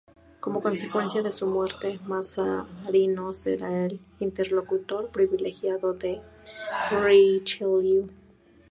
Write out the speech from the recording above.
Como consecuencia de su muerte, Mazarino será el interlocutor privilegiado de Richelieu.